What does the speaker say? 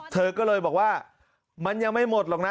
เธอก็เลยบอกว่ามันยังไม่หมดหรอกนะ